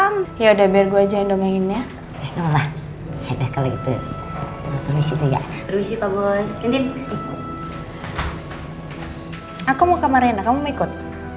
lo udah bikin hidup gue hancur